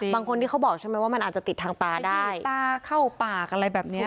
บางคนที่เขาบอกใช่ไหมว่ามันอาจจะติดทางตาได้ตาเข้าปากอะไรแบบเนี้ย